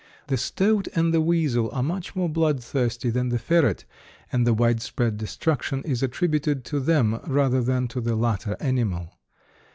The stoat and the weasel are much more bloodthirsty than the ferret, and the widespread destruction is attributed to them rather than to the latter animal.